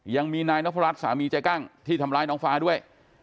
ยังมีนายนพรัชสามีเจ๊กั้งที่ทำร้ายน้องฟ้าด้วย